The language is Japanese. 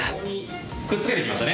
くっつけてきましたね